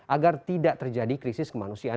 agar tidak terjadi krisis kemanusiaan